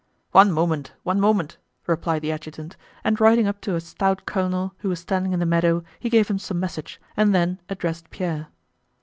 "One moment, one moment!" replied the adjutant, and riding up to a stout colonel who was standing in the meadow, he gave him some message and then addressed Pierre.